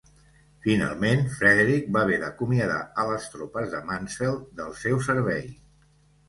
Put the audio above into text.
Finalment, Frederick va haver d'acomiadar a les tropes de Mansfeld del seu servei.